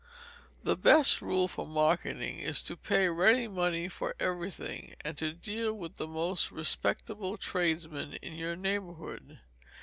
The best rule for marketing is to pay ready money for everything, and to deal with the most respectable tradesmen in your neighbourhood.